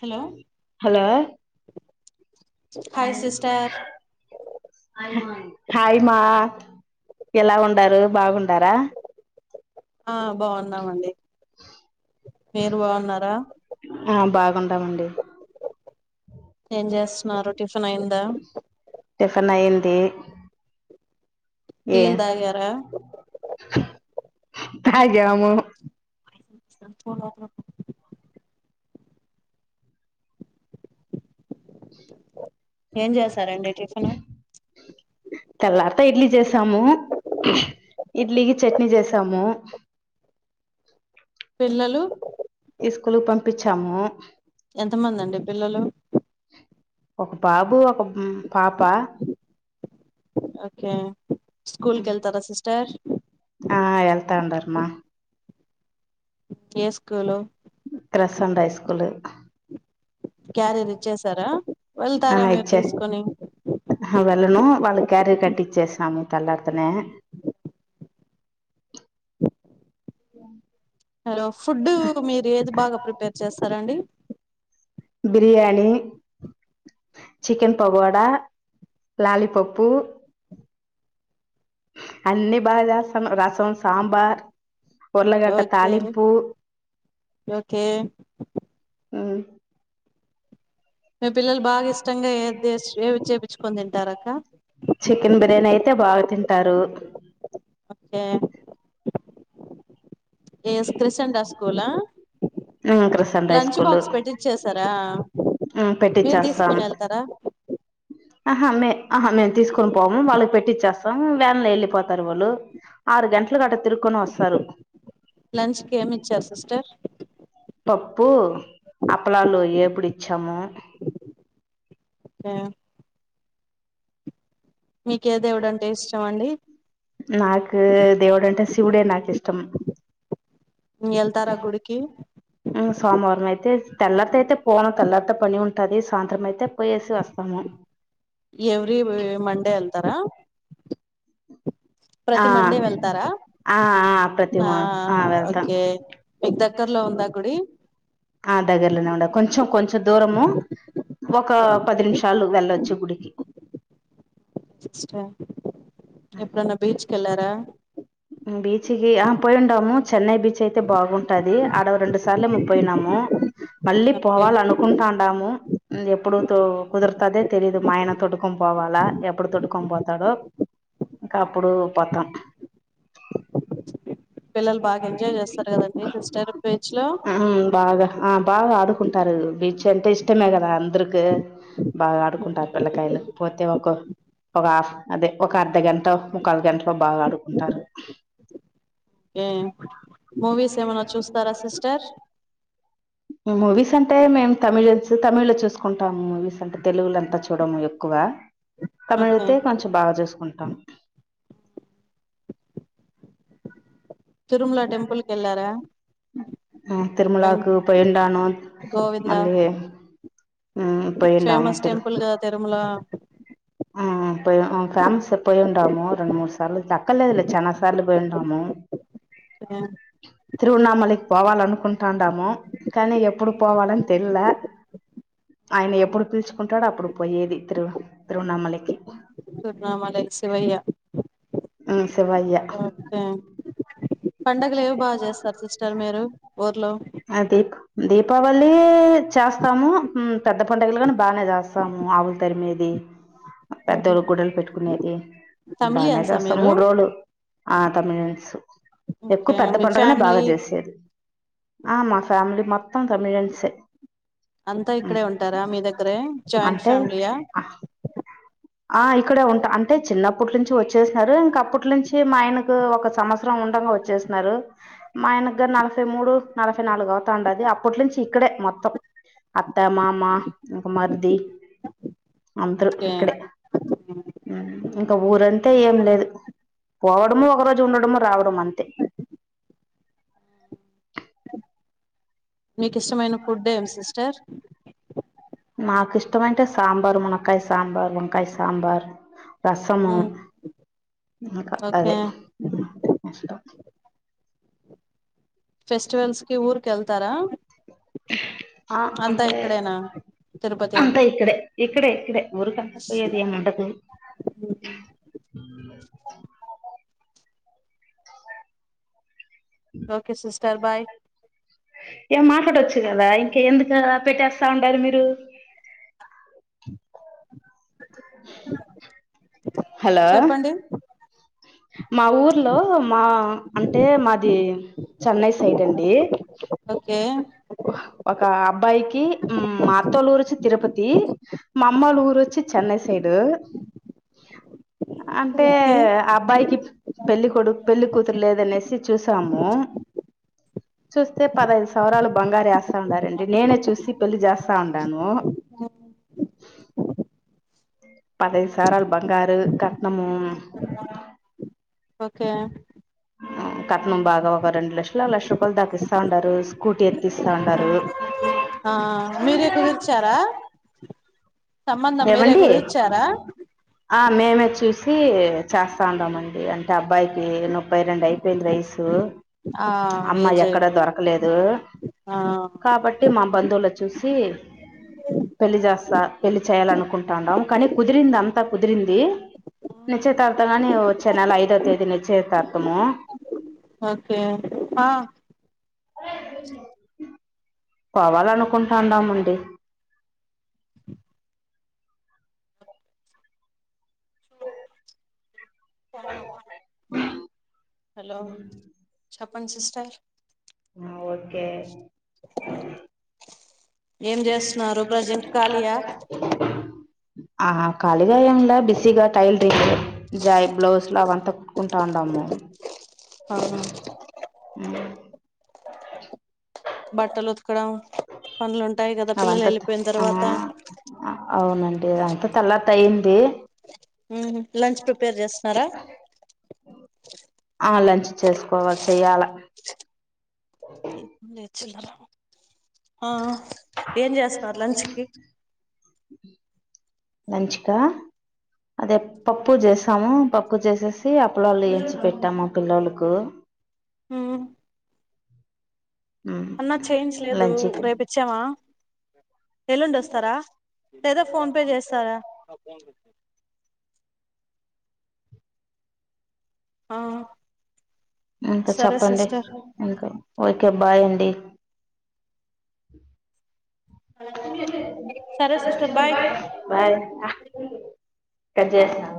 hello hello hi అండి [unintelligible] హాయి మా ఎలా ఉండారు బాగుండారా ఆ బాగున్నాం మండి ఆ బాగుండమండి ఏం చేస్తున్నారు టిఫిన్ అయిందా టిఫిన్ అయ్యింది ఏ టీలు తాగారా తాగ్యాము ఎంత మాత్రం ఏం చేస్తారు చేశారండి టిఫిన్ లే తెల్లార్తి ఇడ్లీ చేసాము ఇడ్లీకి చట్నీ చేసాము పిల్లలు ఈ స్కూల్ కి పంపించాము ఎంత మంది అండి పిల్లలు ఒక బాబు ఒక పాప ఓకే స్కూల్ కి వెళ్తారా సిస్టర్ ఆ వెళ్తా ఉండారు మా ఏ స్కూలు క్రస్ అండ్ హైస్కూలు క్యారీజ్ ఇచ్చేసారా వెళ్తారా మీరు ఇచ్చే తీసుకుని ఆ వెళ్ళను వాళ్ళకి క్యారేజ్ కట్టిచ్చేసాము తల్లారితనే హలో ఫుడ్ మీరు ఏది బాగా ప్రిపేర్ చేస్తారండి బిర్యానీ చికెన్ పగోడా లాలిపప్పు అన్ని బాగా చేస్తాం రసం సాంబార్ పొరలగడ్డ ఓకే తాలింపు ఓకే ఉమ్ మీ పిల్లలు బాగా ఇష్టంగా ఏం చేపించుకొని తింటారు అక్క చికెన్ బిర్యానీ అయితే బాగా తింటారు ఒకే ఏఎస్ క్రిస్ంట స్కూలా Christian high lunch school box పెట్టిచ్చేసారా మీరు పెట్టిచ్చేస్తాం తీసుకుని వెళ్తారా ఆహా మే ఆహా మేము తీసుకొని పోము వాళ్ళకి పెట్టిచ్చేస్తాం వ్యాన్ లో వెళ్ళిపోతారు వాళ్ళు ఆరు గంటలు కి అటా తిరుక్కొని వస్తారు లంచ్ కి ఏమి ఇచ్చారు సిస్టర్ పప్పు అప్పలాలుయ్యే ఎపుడిచ్చాము ఏమ్ మీకు ఎ దేవుడు అంటే ఇష్టం అండి నాకు దేవుడు అంటే శివుడే నాకు ఇష్టం వెళ్తారా గుడికి సోమవారం అయితే తెల్లారితో అయితే పోను తెల్లారితే పని ఉంటుది సాయంత్రం అయితే పోయేసి వస్తాము ఎవ్రి మండే వెళ్తారా ఆ ప్రతి మండే వెళ్తారా ఆ ప్రతి ఆ మా వెళ్తాం ఓకే మీకు దగ్గర్లో ఉందా గుడి ఆ దగ్గరలోనే ఉండ కొంచెం కొంచెం దూరము ఒక పది నిమిషాలు వెళ్ళొచ్చు గుడికి ఎప్పుడన్న బీచ్ కెల్లారా బీచ్కి ఆ పోయిండాము చెన్నై బీచ్ అయితే బాగుంటది ఆడవ రెండు సార్లే పోయినాము మళ్ళీ ఓకే పోవాల అనుకుంటాండాము ఎప్పుడు తో కుదురుతదే తెలీదు మా ఆయన తొట్టుకొని పోవాలా ఎప్పుడు తొట్టుకొని పోతాడు ఇంకా అప్పుడు పోత్తం పిల్లలు బాగా ఎంజాయ్ చేస్తారు కదండి సిస్టర్ బీచ్ లో ఆ బాగా ఆ బాగా ఆడుకుంటారు బీచ్ అంటే ఇష్టమే కదా అందరికి బాగా ఆడుకుంటారు పిల్లకాయలు పోతే ఒ ఒకఫ్ అదే ఒక అర్ధ గంట ఒక అ గంటలో బాగా ఆడుకుంటారు ఉమ్ మూవీస్ ఏమైనా చూస్తారా సిస్టర్ మూవీస్ అంటే మేము తమిళ తమిళ్ లో చూసుకుంటాము మూవీస్ అంటే తెలుగులంతా చూడము ఎక్కువ ఓకే తమిళైతే కొంచెం బాగా చూసుకుంటాం తిరుమల టెంపుల్కి వెళ్ళారా ఉమ్ తిరుమలాకు పోయి ఉండను గోవిందా మళ్లి ఫేమస్ టెంపుల్ కదా తిరుమల ఆ పోయి ఫేమస్ పోయి ఉంటాము రెండు మూడు సార్లు దక్కర్లేదులే చెన్న సార్లు పోయి ఉంటాము ఓకే తిరువణమలి పోవాలనుకుంటడాము కానీ ఎప్పుడు పోవాలని తెల్లే ఆయన ఎప్పుడు పిలుచుకుంటాడో అప్పుడు పోయేది తిరు తిరువనామలకి తిరువనామలకి శివయ్య ఉమ్ శివయ్యా ఉమ్ కే పండగలు ఏవి బాగా చేస్తారు సిస్టర్ మీరు ఊర్లో అది దీపావళి చేస్తాము పెద్ద పడుగలు కాని బాగానే చేస్తాము అవు దరిమేది పెద్దోళ్ళ గుడలు పెట్టుకునేది బానే తమిళియన్సా చేస్తాం మీరు మూడు రోజులు ఆ తమిళ్యన్స్ ఎక్కువ ఓకే పెద్ద మీ పండుగనే ఫ్యామిలీ బాగా చేసేది ఆ మా ఫ్యామిలీ మొత్తం తమిళ్యన్స్ ఏ అంతా ఇక్కడే ఉంటారా మీ దగ్గరే జాయింట్ అంటే ఫ్యామిలీయా ఆ ఇక్కడే ఉంటా అంటే చిన్నప్పటి నుంచి వచ్చేసిన్నారు ఇంక అప్పట్ నుంచి మా ఆయనకు ఒక సంవత్సరం ఉండగా వచ్చే సినారు మా ఆయన గ నలభై మూడు నలభై నాలుగు అవుతండది అప్పట్ నుంచి ఇక్కడే మొత్తం అత్త మామ ఇంక మర్ది అంతరూ ఓకే ఇక్కడే ఇంకా ఊరంతే ఏం లేదు పోవడము ఒక రోజు ఉండడము రావడం అంతే మీకు ఇష్టమైన ఫుడ్ ఏం సిస్టర్ నాకు ఇష్టమంటే సాంబార్ మునకాయ సాంబార్ వంకాయ సాంబార్ రసము ఇంకా ఓకే అదే ఇష్టం ఫెస్టివల్స్ కి ఊర్కెల్తారా ఆ అంటే ఇక్కడేనా తిరుపతి అంతా ఇక్కడే ఇక్కడే ఇక్కడే ఊరి కంట పోయది ఏం ఉండదు ఓకే సిస్టర్ బాయ్ ఏం మాట్లాడవచ్చు కదా ఇంక ఎందుకు పెట్టేస్తా ఉండారు మీరు హలో చెప్పండి మా ఊర్లో మా అంటే మాది చెన్నై సైడ్ అండి ఓకే ఒక అబ్బాయికి మాత్తలూరుచ్చి తిరుపతి మామూళ్ల ఊరు అచ్చి చెన్నై సైడు అంటే ఓకే ఆ అబ్బాయికి పెళ్లికడుక్ పెళ్లికతురు లేద అనేసి చూసాము చూస్తే పదిఐదు సవసరాలు బంగార్ ఎస్తా ఉండారంండి నేనే చూసి పెళ్లి చేస్తా ఉండాను పదైదుసార్లు బంగార్ కట్నము ఓకే కట్నం బాగా ఒక రెండు లక్షలు లక్ష రూపాయలు దాకిస్తా ఉండారు స్కూటీ ఎత్తిస్తా ఉండారు ఆ మీరే కుదిరిచ్చారా సంబంధం మీరే ఏవండీ ఆ మేమే చూసి చేస్తా ఉండమండి అంటే అబ్బాయికి నుప్పై రెండు అయిపోయింది వయస్సు ఆ అమ్మాయి ఏజ్ ఎక్కడ అయిపోయింది దొరకలేదు ఆ కాబట్టి మా బంధువుల చూసి పెళ్లి చేస్తా పెళ్ళి చేయాలనుకుంటాండం కానీ కుదిరింది అంతా కుదిరింది నిశ్చయతార్థంంగాని వచ్చే నెల ఐదో తేదీ నిశ్చేతార్థము ఓకే ఆ పోవాలనుకుంటాండమండి [inaudible] హలో చెప్పండి సిస్టర్ ఆ ఓకే ఏం చేస్తున్నారు ప్రజెంట్ ఖాళీయా ఆహ ఖాళీగా ఏం లా బిజీగా టైలరింగ్ జాయి బ్లౌజ్ లో అవంతా కుట్కుంటా ఉండము ఆహ ఉమ్ బట్టలు ఉతకడం పనులు ఉంటాయి కదా పిల్లలు అవంతా ఎళ్ళిపోయిన ఆ తర్వాత అవునండి ఇది అంత తలత అయింది ఉహూ లంచ్ ప్రిపేర్ చేస్తారా ఆ లంచ్ చేసుకోవా చెయ్యాలా లేచల్ల ఆ ఏం చేస్తారు లంచ్ కి లంచ్ కా అదే పప్పు చేసాము పప్పు చేసేసి అప్పలళ్లుు ఎయించి పెట్టాము పిల్లలకు హ ఉమ్ అన్నా చేయించలేదు లంచ్కి రేపు ఇత్ ఇచ్చామా ఎల్లుండి ఆస్తారా లేదా ఫోన్పే చేస్తారా ఆ ఇంకా సరే చెప్పండి సిస్టర్ ఇంకా ఓకే బాయ్ అండి సరే సరే బాయ్ బాయ్ కట్ చేసినా